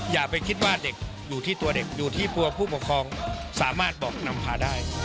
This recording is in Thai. อย่าไปคิดว่าเด็กอยู่ที่ตัวเด็กอยู่ที่ตัวผู้ปกครองสามารถบอกนำพาได้